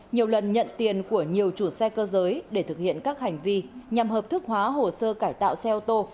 nhiều lần nhận tiền của nhiều chủ xe cơ giới để thực hiện các hành vi nhằm hợp thức hóa hồ sơ cải tạo xe ô tô